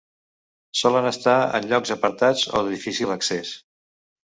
Solen estar en llocs apartats o de difícil accés.